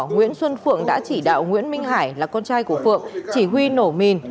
nguyễn xuân phượng đã chỉ đạo nguyễn minh hải là con trai của phượng chỉ huy nổ mìn